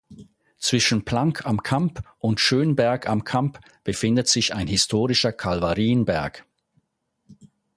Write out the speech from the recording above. Zwischen Plank am Kamp und Schönberg am Kamp befindet sich ein historischer Kalvarienberg.